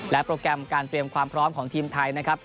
โปรแกรมการเตรียมความพร้อมของทีมไทยนะครับ